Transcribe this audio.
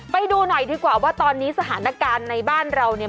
ไปดูหน่อยดีกว่าว่าตอนนี้สถานการณ์ในบ้านเราเนี่ย